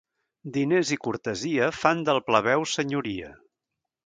Diners i cortesia fan del plebeu senyoria.